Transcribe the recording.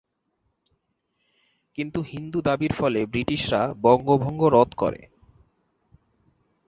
কিন্তু হিন্দু দাবীর ফলে ব্রিটিশরা বঙ্গভঙ্গ রদ করে।